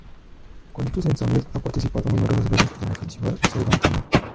Con dichos ensambles ha participado numerosas veces en el Festival Cervantino.